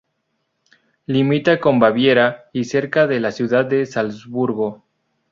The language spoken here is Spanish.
Limita con Baviera y está cerca de la ciudad de Salzburgo.